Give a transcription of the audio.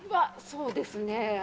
そうです。